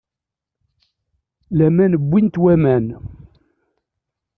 Laman wwin-t waman.